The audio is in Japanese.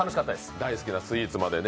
大好きなスイーツまでね。